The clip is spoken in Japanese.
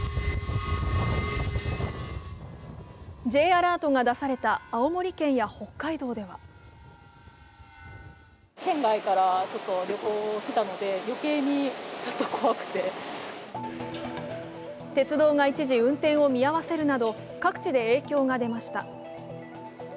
Ｊアラートが出された青森県や北海道では鉄道が一時、運転を見合わせるなど各地で影響が出ました。